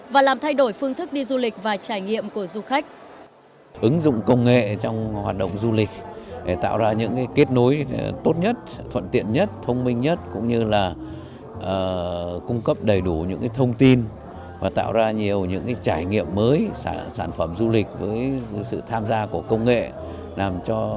và làm thay đổi phương thức đi du lịch và trải nghiệm của du khách